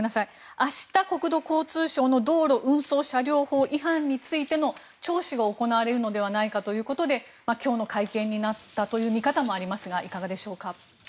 明日、国土交通省の道路運送車両法違反についての聴取が行われるのではないかということで今日の会見になったという見方もありますがいかがでしょうか。